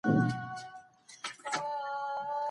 ورزش مو د بدن دفاعي سیستم پیاوړی کوي.